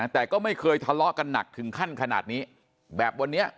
แต่ก็ไม่เคยทะเลาะกันหนักถึงขั้นขนาดนี้แบบวันนี้